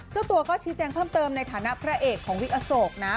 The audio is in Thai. เจ้าตัวก็ชี้แจงเพิ่มเติมในฐานะพระเอกของวิกอโศกนะ